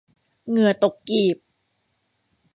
เหงื่อตกกีบ